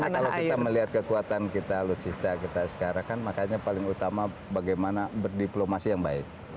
karena kalau kita melihat kekuatan kita alutsista kita sekarang kan makanya paling utama bagaimana berdiplomasi yang baik